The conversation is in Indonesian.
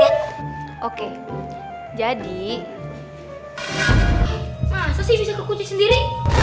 gue kenapa de